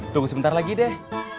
tunggu sebentar lagi deh